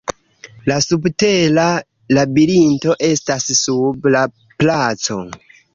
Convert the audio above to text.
La subtera labirinto estas sub la placo.